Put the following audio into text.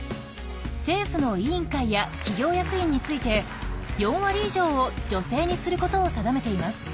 政府の委員会や企業役員について４割以上を女性にすることを定めています。